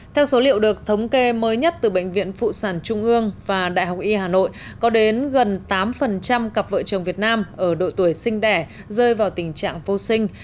theo số liệu được thống kê mới nhất từ bệnh viện phụ sản trung ương và đại học y hà nội có đến gần tám cặp vợ chồng việt nam ở độ tuổi sinh đẻ rơi vào tình trạng vô sinh